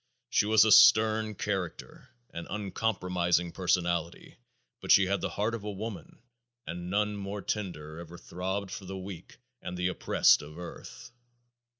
She was a stern character, an uncompromising personality, but she had the heart of a woman and none more tender ever throbbed for the weak and the oppressed of earth.